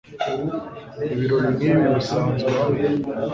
Ibirori nkibi birasanzwe hano.